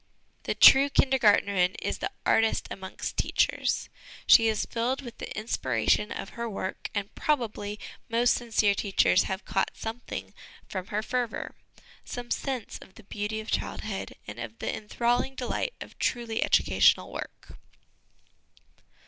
The 1 86 HOME EDUCATION true Kindergdrtnerin is the artist amongst teachers ; she is filled with the inspiration of her work, and probably most sincere teachers have caught some thing from her fervour, some sense of the beauty of childhood, and of the enthralling delight of truly educational work.